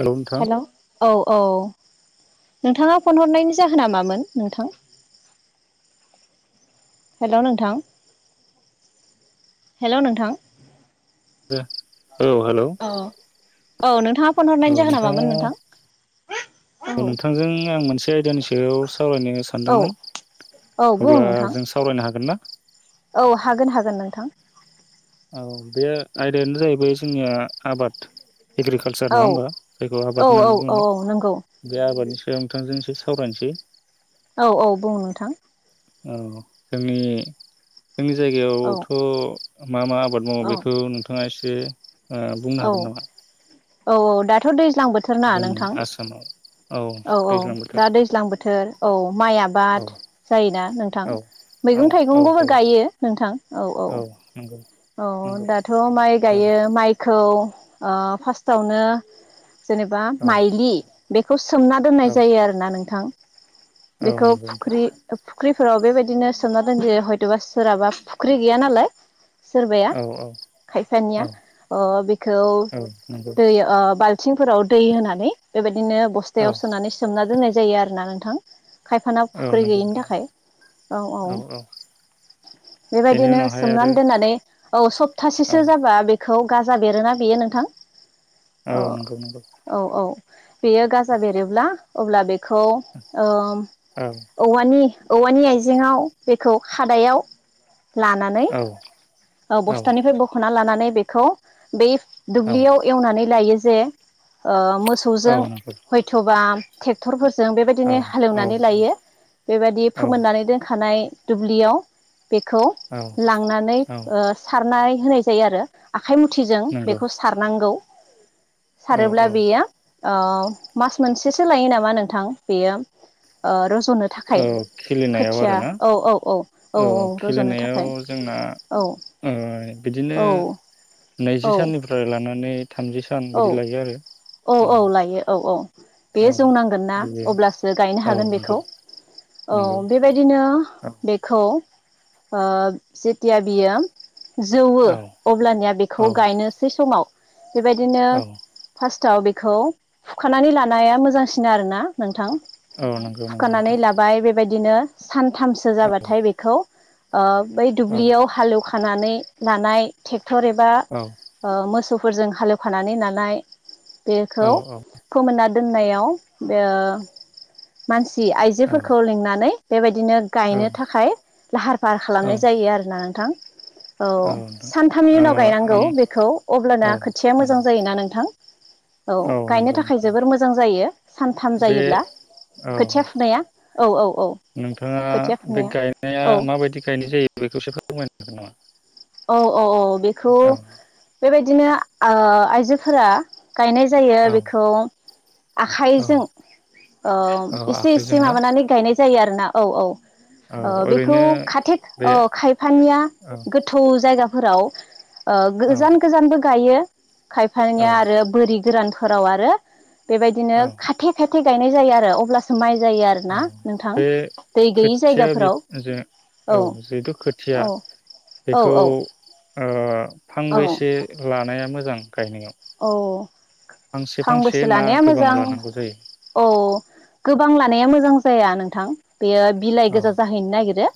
हेल' नोंथां औ औ नोंथाङा फन हरनायनि जाहोना मामोन नोंथां हेल' नोंथां हेल' नोंथां दे औ हेल' औ नोंथाङा फन औ हरनायनि जाहोना नोंथाङा मामोन नोंथां औ नोंथांजों आं मोनसे आयदानि सायाव सावरायनो औ सानदोंमोन औ बुं अब्ला नोंथां जों सावरायनो हागोन ना? थां औ बे आयदायानो जाहैबाय जोंनिया आबाद एग्रिकालसार औ नङा होमबा जायखौ औ आबाद औ होननानै औ बुङो नंगौ बे आबादनि नोंथांजों एसे सावरायनोसै औ औ बुं नोंथां औ जोंनि जोंनि औ जायगायावथ' मा मा आबाद मावो औ बेखौ नोंथाङा एस से ओ बुंनो औ हागोन नामा? औ औ दाथ' दै दैज्लां बोथोर ना जोंनि नोंथां आसामाव औ औ दैज्लां बोथोर दा दैज्लां बोथोर औ माइ औ आबाद जायोना नोंथां औ मैगं औ औ थाइगंखौबो जायो गायो नोंथां औ औ औ नंगौ दाथ' माइ औ गायो माइखौ औ ओ फास्थावनो जेनेबा औ माइलि खौ सोमना दोननाय औ जायो आरोना नोंथां औ बेखौ नंगौ नोंथां फुख्रि फुख्रिफोराव बेबायदिनो सोमना दोनदि हयथ'बा सोरहाबा फुख्रि गैया नालाय सोरबाया औ औ खायफानिया औ ओ बेखौ औ नंगौ दै ओ बाल आथिंफोराव दै होनानै बेबायदि बिदिनो औ बस्थायाव सोनानै सोमना दोननाय जायो आरोना नोंथां खायफाना औ फुख्रि नंगौ गैयिनि नोंथां थाखाय औ औ बेनि बेबायदिनो उनावहाय आरो सोमनानै दोननानै औ औ सप्तासेसो जाबा बे खौ गाजा बेरोना बेयो नोंथां? औ नंगौ नंगौ औ औ। बेये गाजा बेेरो अब्ला बे खौ औ औ औवानि औवानि आइजेङाव बेखौ खादायाव लानानै औ ओ औ बस्थानिफ्राय बख'ना लानानै बेखौ बे औ दुब्लियाव एवनानै लायो। जे ओ औ मोसौजों नंगौ हयथ'बा ट्रेक्टरफोर जों औ बेबायदिनो औ हालेवनानै लायो बेबायदि फोमोननानै दोनखानाय दुब्लियाव बेखौ औ लांनानै सारनाय होनाय जायो आरो। आखाइ मुथिजों नंगौ बेखौ सारनांगौ। औ सारोब्ला औ बेयो औ मास मोनसेसो लायो नामा नोंथां बेयो ओ र रज'नो थाखाय औ खिलिनायाव खोथिया आरोना औ औ औ औ औ रज'नो खिलिनायाव थाखाय। जोंना औ ओ बिदिनो औ नैजि औ साननिफ्राय लानानै थामजि सा औ औ औ लायो औ। औ औ। बेयो औ औ जौ नांगोन ना बेयो अब्लासो गायनो औ हागोन नंगौ बेखौ औ नंगौ बेबायदिनो औ बेखौ ओ जिथिया बियो जौवो औ अब्लानिया बेखौ औ गायनोसै समाव बेबायदिनो औ फास्ट आव बेखौ हुखानानै लानाया मोजांसिन आरोना नोंथां। नंगौ नंगौ सुखानानै नोंथां लाबाय बेबायदि बिदिनो सानथामसो जाबाथाय बेखौ ओ ओइ औ दुब्लियाव हालौव खानानै लाना [unintelligible] थर एबा औ ओ मोसौ फोरजों हालेव खानानै नालानाय औ बेखौ औ फोमोनना दोननायाव ओ मानसि औ आइजोफोरखौ लिंनानै बेबादि बिदिनो गायनो थाखाय लाहार फाहार औ खालामनाय जायो आरोना नोंथां। औ सानथामनि उनाव ओ गायनांगौ आं बेखौ अब्लाना औ खो मोजां नंगौ जायोना नोंथां? [inaudible] औ गायनो थाखाय जोबोर मोजां जायो। सानथाम बे जायोब्ला औ खोथिया फुनाया औ औ औ नोंथाङा खोथिया बे फुनाया गायनाया औ माबायदि गायनाय जायो बेखौसो फोरमायनो हागोन नामा? औ औ औ बेखौ औ बेबाय बिदिनो ओ आइजोफोरा गायनाय जायो औ बेखौ औ आखाइजों ओ औ एसे आखाइजों एसे ना माबानानै गायनाय जायो आरो ना औ औ औ ओ बेखौ ओरैनो खाथेक बे ओ खायफानिया औ जायगाफोराव ओ औ गोजान गोजानबो गायो औ खायफानिया आरो बोरि गोरान फोराव आरो बेबायदिनो औ खाथे खाथ गायनाय जायो आरो अब्लासो माइ जायो औ आरोना नोंथां बे दै गैयि खोथिया जायगाफोराव [unintelligible] औ जिहेथु खोथिया औ औ बेखौ औ ओ औ फांबैसे लानाया मो जां गायनायाव। औ फांसे फांसे फांबेसे ना लानाया गोबां मोजां लानांगौ जायो? औ गोबां लानाया मोजां जाया नों थां बेयो बिलाय औ गोजा जाहैनो नागिरो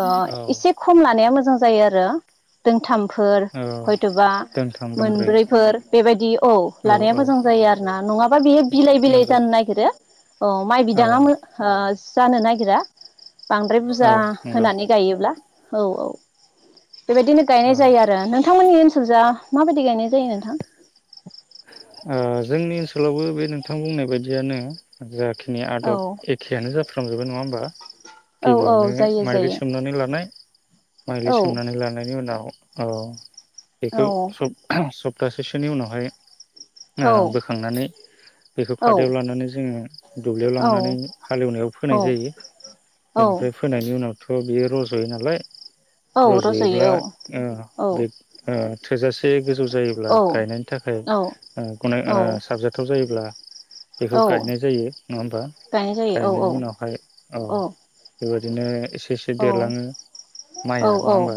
ओ औ एसे खम लानाया मोजां जायो आरो दोंथाम फोर औ हयथ'बा दोंथाम दोंब्रै मोनब्रैफोर बेबायदि औ लानाया औ मोजां औ जायो आरोना नंङाबा बेयो बिलाय-बिलाय नंगौ जानो नागिरो औ माय औ बिदाङा मो ओ जानो नागिरा बांद्राय औ बुजा नंगौ होनानै गायोब्ला। औ औ बेबायदिनो औ गायनाय जायो आरो नों थांमोननि ओनसोलजा माबायदि गायनाय जायो नोंथां? ओ जोंनि ओनसोलावबो बे नोंथां बुंनाय बायदियानो जा खिनि औ आदब एखेयानो जाफ्रामजोबो नंङा होमबा? औ औ गिबियावनो जायो मायलि जायो सोमनानै लानाय मायलि औ सोमनानै लानायनि उनाव औ बेखौ औ सब-सब थासोसोनि उनावहाय औ ओ बोखांनानै बेखौ खादायाव लानानै जोंङो दुब्लियाव लांनानै औ हालेवनायाव औ फोनाय जायो औ बेनिफ्राय फोनायनि उनाव थ' बियो रज'यो नालाय औ रज'योब्ला रज'यो ओ औ बे ओ थोजासे गोजौ जायोब्ला औ गायनायनि थाखाय औ ओ गनाय ओ औ साबजाथाव जायोब्ला बेखौ औ गायनाय जायो नंङा होमबा गायनाय जायो गायनायनि औ उनावहाय औ बेबायदिनो एसे एसे देरलाङो माइया नङा औ औ होमबा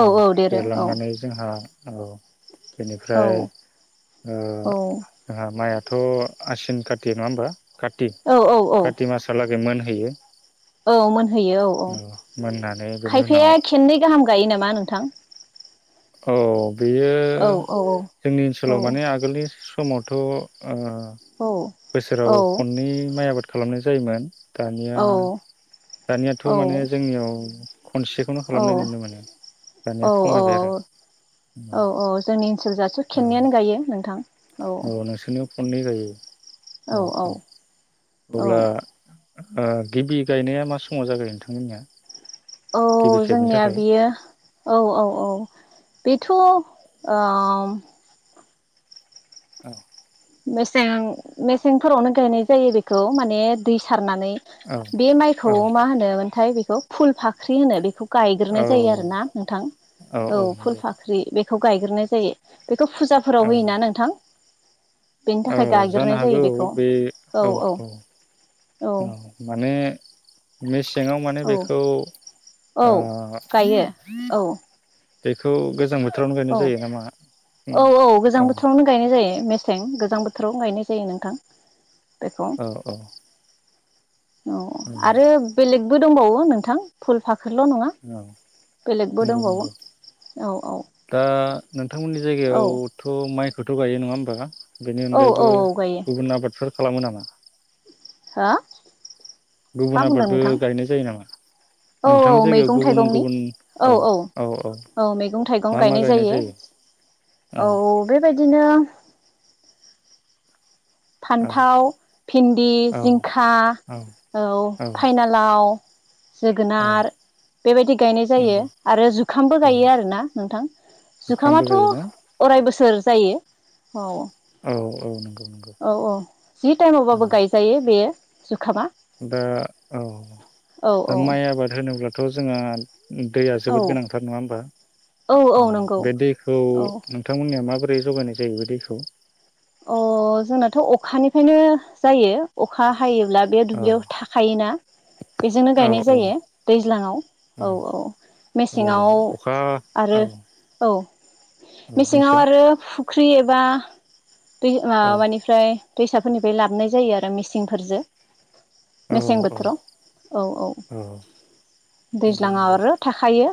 औ देरलांनानै जोंहा औ औ बेनिफ्राय ओ आहा माइयाथ' आसिन काति नङा होमबा? काति औ औ काति मासहालाग बेमोनहैयो। औ मोनहैयो औ औ मोननानै बेनि उनाव खायफाया खेननै गाहाम गायो नामा नोंथां? औ बेयो औ औ जोंनि ओनसो औ सोलाव माने आगोलनि स समावथ' ओ औ औ बोसोराव खननै माइ आबाद खालामनाय जायोमोन। दानिया औ दानियाथ' माने जोंनियाव खनसेखौनो औ खालामनाय नुनो मोनो दानिया औ औ खमायबाय आरो औ औ औ जोंनि ओनसोल जाथ' औ खेबनैयानो गायो। नोंथां औ नोंसोरनियाव खननै गायो? औ औ औ अब्ला ओ गिबि गायनाया मा समाव जाग्रोयो नोंथांमोननिया? औ गिबि खेबनि जोंनिया थाखाय बेयो औ औ औ बे थु ओम ओ मेसें मेसेंफोरावनो गायनाय जायो बेखौ माने दै सा होननानै औ बे माइखौ औ मा होनोमोनथाय बे खौ फुल फाख्रि होनो बेखौ औ गायग्रोनाय जायो आरो ना नोंथां। औ फुल फाख्रि बे खौ गायग्रोनाय जायो। बेखौ औ फुजाफोराव होयोना नोंथां? बेनि औ थाखाय जानो गायग्रोनाय हागौ जायो बेखौ बे औ औ औ माने मेसे सेङाव माने औ बेखौ औ आ गायो औ बेखौ गोजां बोथ औ औ औ गोजां बोथोरावनो गायनाय जायो मेस सेें गोजां बोथोराव गायनाय जायो नोंथां औ औ अ औ आरो बेलेग बो दंबावो नोंथां फुल फाख फोरल नङा औ बेलेगबो नंगौ दंबावो नंगौ औ औ दा नोंथांमोननि औ जायगायावथ' माइ बोथ' गायो नङा होमबा बेनि औ अनगायैबो औ गायो गुबुन आबादफोर खालामो नामा हा गुबुन आबादबो गायनाय जायो नामा औ औ नोंथांनि जायगायाव मैगं गुबुन थाइगंनि गुबुन औ औ औ मैगं थाइ बिफां गायनाय जायो औ बेबाय बायदिनो औ फान्थाव भिन्दि औ जिंखा औ फाइनालाव औ जोगोनार बेबायदि गायनाय जायो नंगौ आरो जुखामबो औ गायो आरोना नोंथां जुखामबो जुखामाथ' गायोना अराय बोसोर जायो औ औ औ नंगौ नंगौ औ औ जि टाइमावबाबो औ गायजायो बेयो जुखामा दा औ औ दा औ माइ आबाद होनोब्लाथ' जोंहा दैया औ जोबोद गोनांथार नङा होमबा औ औ अ नंगौ बे दैखौ औ नोंथांमोननिया माबोरै दै जगायनाय जायो बे दैखौ अ जोंनाथ' अखानिफ्रायनो जायो अखा हायोब्ला बे औ दुब्लियाव थाखायोना बेजोंनो औ गायनाय औ जायो दैज्लाङाव औ औ औ मेसेंआव अखा आरो औ औ औ बुंसै मेसेङाव आरो फुख्रि एबा बै औ माबानिफ्राय दैसाफोरनिफ्राय लाबोनाय जायो आरो मेचिंनफोरजो औ मेसें औ बोथोराव औ औ नंगौ दैज्लाङाव नंगौ आरो थाखायो।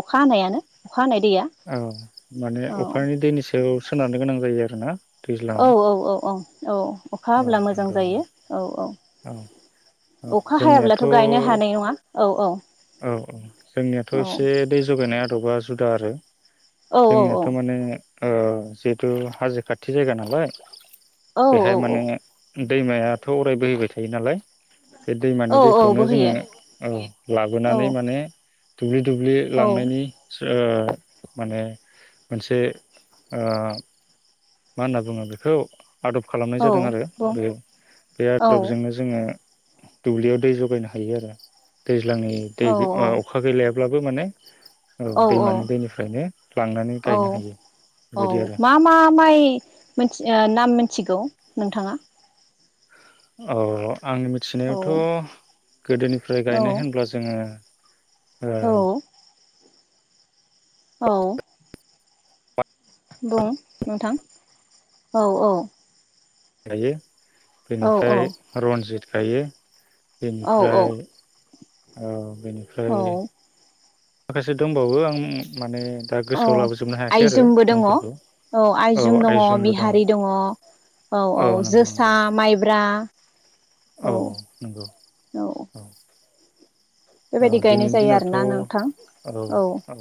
अखा हानायानो अखा हानाय दैया औ माने औ अखानि दैनि सायाव सोनारनो गोनां जायो आरोना। औ दैज्लाङाव औ औ औ। औ। अखा औ हाब्ला मोजां नंगौ जायो नंगौ औ औ। औ अखा जोंनियाथ' हायाब्लाथ' गायनो हानाय नङा? औ औ। औ औ जोंनियाथ' औ एसे दै जगायनाय आदबा जुदा आरो औ औ जोंनियाथ' माने ओ जिहेथु हाजो खाथि जायगा नालाय। औ बेहाय औ माने उम दैमायाथ' अराय बोहैबाय थायो नालाय। बे दैमानि औ औ दैखौनो जोङो बोहैयो औ। औ लाबोनानै माने दुब्लि दुब्लि औ लांनायनि ओ माने मोनसे ओ मा होनना बुङो बेखौ आदब खालामनाय औ जादों आरो बुं बेयाव बे औ आदबजोंनो जोङो दुब्लियाव दै जगायनो हायो आरो। दैज्लांनि दै औ ओ अखा गैलाया ब्लाबो माने औ दैमानि दैनिफ्रायनो लांनानै गायनो औ हायो बेबायदि आरो। मिथि आ नाम मिथिगौ नोंथाङा? अ' आंनि औ मिथिनायावथ' गोदोनिफ्राय औ गायनाय होनब्ला जोङो ओ औ औ। बुं नोंथां औ औ। गायो। औ बेनिफ्राय रनजित गायो। औ बेनिफ्राय औ औ। बेनिफ्राय औ माखासे दंबावो आं माने दा औ गोसोआव लाबोजोबनो हायाखै आरो आइजुमबो दङ मुंफोरखौ औ औ आइजुम दङ आइजुमबो बिहारि दङ औ औ नंगौ नंगौ जोसा माइब्रा औ नंगौ औ। औ बेबायदि गायनाय दिनैनि जायो दिनावथ' आरोना नोंथां औ औ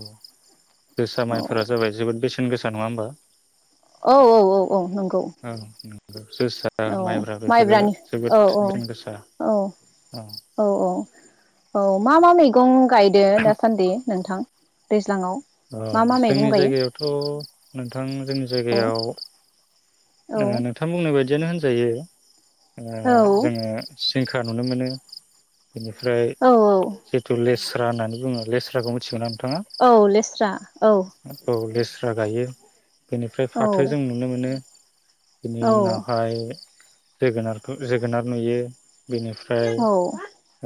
जोसा औ माइफोरा जाबाय जोबोद बेसे सेन गोसा नङा होमबा? औ औ औ औ नंगौ। ओ जोसा औ माइब्रा बेफोरो माइब्रानि औ जोबोद औ [unintelligible] गोसा औ औ। औ मा मा मैगं गायदो दासान्दि नोंथां? दैज्लाङाव अ' मा मा मैगं जोंनि गायो जायगायावथ' नोंथां जोंनि औ जायगायाव ओ औ नोंथां बुंनाय बायदि दिनो होनजायो। ङो औ जोङो सिं खा नुनो मोनो। बेनिफ्राय औ जितु लेस राननानै बुङो लेस्राखौ मिथिगौना? नोंथाङा औ लेस रा औ। फ्रा गायो। बेनिफ्राय औ फाथो जों नुनो मोनो। बिनि औ उनावहाय जोगोनारखौ जोगोनार नुयो। बेनिफ्राय औ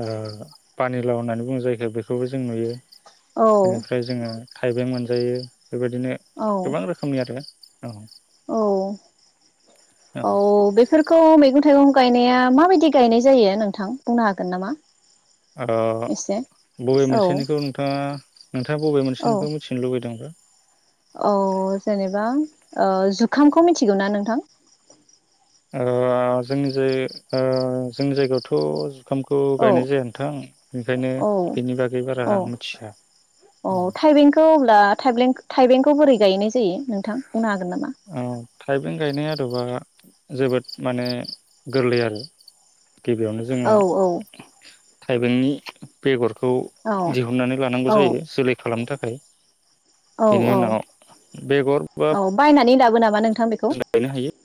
फानिलाव होननानै बुंङो जायखो बेखौबो जों नुयो। औ बेनिफ्राय जोङो थाइबें मोनजायो। बेबायदिनो औ गोबां रोखोमनि आरो । औ औ बेफोरखौ मैगं थाइगं गायनाया माबायदि गायनाय जायो नोंथां बुंनो हागोन नामा? ओ एसे बबे औ मोनसेनिखौ नोंथाङा नोंथाङा बबे औ मोनसेनिखौ मिथिनो लुबैदोंबा? औ जेनेबा ओ जुखामखौ मिथिगौ ना नोंथां? ओ जोंनि ओ जोंनि जायगायावथ जुखामखौ औ गायनाय जाया नोंथां बेनिखायनो औ बिनि बागै बारा औ आं मिथिया औ खौ बोरै गायनाय जायो नोंथां? बुंनो हागोन नामा? ओ थाइबें गायनाय आदबा जोबोद माने गोरलै आरो गिबियावनो जोङो औ थाइबेंनि बेगर खौ औ दिहुननानै लानांगौ औ जायो जोलै खालामनो थाखा खाय औ औ बेगर बा औ बायनानै लाबो नामा नोंथां? बेखौ? गायनो हायो।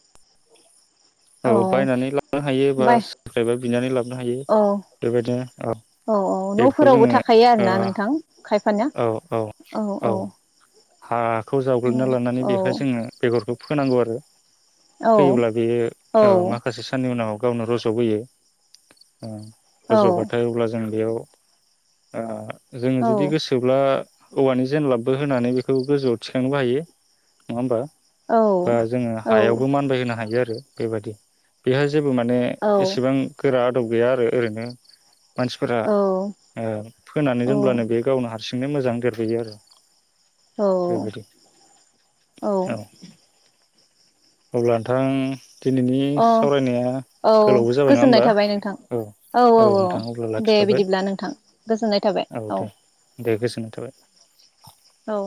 औ बायनानै लाबोनो हायो बा बाय सोरनिफ्रायबा बिनानै लाबोनो हायो औ बेबायदिनो औ औ बेखौ न'फोरावबो जोङो थाखायो ओ आरोना नोंथां खायफानिया औ औ हा खौ औ जावग्लिना लानानै औ बेहाय जोङो बेगरखौ फोनांगौ आरो फोयोब्ला औ बेयो ओ औ माखासे साननि उनाव गावनो रजबोयो ओ औ रजबाथाय अब्ला जों बेयाव ओ जोङो जुदि औ गोसो अब्ला औवानि जेनलाबबो होनानै बेखौ गोजौआव थिखांनोबो हायो नङा होमबा। बा जोङो औ हायावबो मानबाय होनो हायो आरो बेबादि बिहा जेबो माने एसेबां गोरा आदब गैया आरो ओरैनो मानसिफोरा औ ओ फोनानै औ दोनब्लानो बे गावनो हार सिंना मोजां देरबोयो आरो औ बेबायदि औ अब्ला नोंथां दिनैनि अ' सावरायनाया औ गोलावबो जाबाय नङा गोजोननाय होमबा थाबाय नोंथां। औ औ औ नोंथां अब्ला दे लाखिथ'बाय बिदिब्ला नोंथां गोजोननाय थाबाय। औ दे गोजोननाय थाबाय। औ